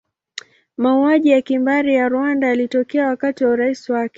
Mauaji ya kimbari ya Rwanda yalitokea wakati wa urais wake.